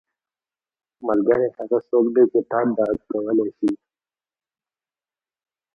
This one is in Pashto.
• ملګری هغه څوک دی چې تا درک کولی شي.